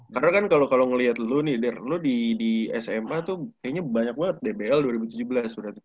karena kan kalo ngeliat lu nih dher lu di sma tuh kayaknya banyak banget dbl dua ribu tujuh belas